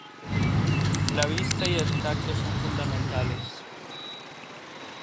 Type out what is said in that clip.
La vista y el tacto son fundamentales.